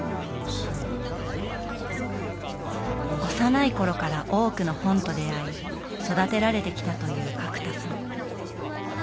幼い頃から多くの本と出会い育てられてきたという角田さん。